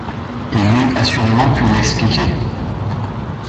Il n'eût assurément pu l'expliquer.